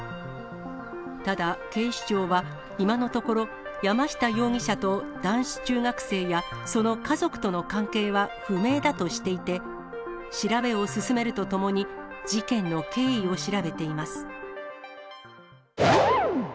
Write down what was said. ただ、警視庁は今のところ、山下容疑者と男子中学生やその家族との関係は不明だとしていて、調べを進めるとともに、事件の経緯を調べています。